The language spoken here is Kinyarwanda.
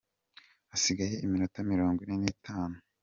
Hasigaye iminota mirongwine n'itanu.